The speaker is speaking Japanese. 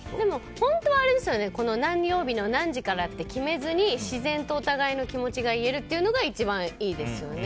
本当は何曜日の何時からって決めずに自然とお互いの気持ちが言えるというのが一番いいですよね。